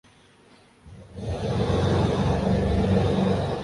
آدھے سر کا درد یعنی دردِ شقیقہ کو انگریزی میں مائیگرین کہا جاتا ہے